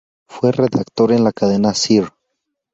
Fue redactor en la Cadena Ser.